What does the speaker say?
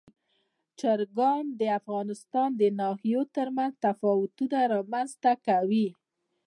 چرګان د افغانستان د ناحیو ترمنځ تفاوتونه رامنځ ته کوي.